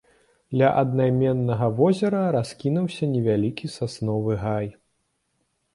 Ля аднайменнага возера раскінуўся невялікі сасновы гай.